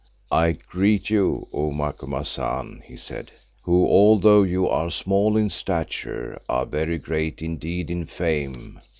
"I greet you, O Macumazahn," he said, "who although you are small in stature, are very great indeed in fame.